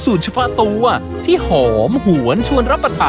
วันต่อไปรถที่ใจ